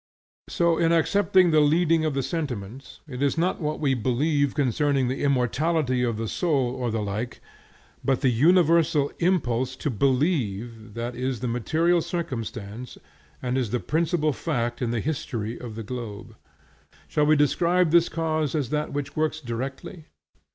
So in accepting the leading of the sentiments, it is not what we believe concerning the immortality of the soul or the like, but the universal impulse to believe, that is the material circumstance and is the principal fact in the history of the globe. Shall we describe this cause as that which works directly?